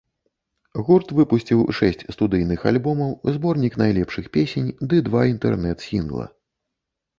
Гурт выпусціў шэсць студыйных альбомаў, зборнік найлепшых песень ды два інтэрнэт-сінгла.